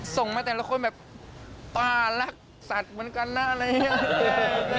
ส่งมาแต่ละคนแบบป้ารักสัตว์เหมือนกันนะอะไรอย่างนี้